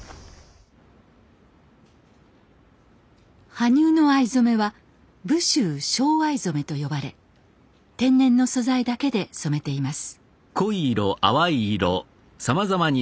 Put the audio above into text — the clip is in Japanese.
羽生の藍染めは「武州正藍染」と呼ばれ天然の素材だけで染めています。